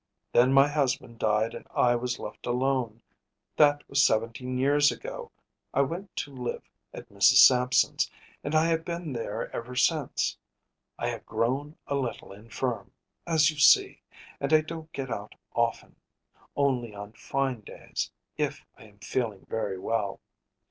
Then my husband died and I was left alone. That was seventeen years ago. I went to live at Mrs. Sampson’s, and I have been there ever since. I have grown a little infirm, as you see, and I don’t get out often; only on fine days, if I am feeling very well.